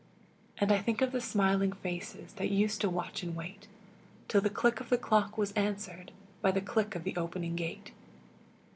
And I think of the smiling faces That used to watch and wait, Till the click of the clock was answered By the click of the opening gate.